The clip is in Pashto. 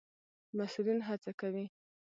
مسئولين هڅه کوي